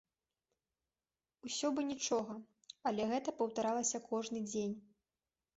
Усё бы нічога, але гэта паўтаралася кожны дзень.